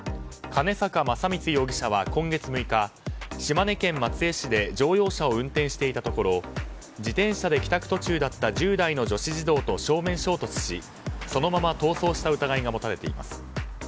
金坂政光容疑者は今月６日島根県松江市で乗用車を運転していたところ自転車で帰宅途中だった１０代の女子児童と正面衝突しそのまま逃走した疑いが持たれています。